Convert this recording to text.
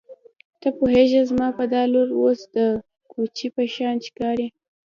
ته پوهېږې زما دا لور اوس د کوچۍ په شان ښکاري.